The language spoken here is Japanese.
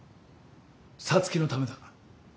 皐月のためだ。